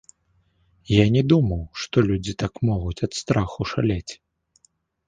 Я не думаў, што людзі так могуць ад страху шалець.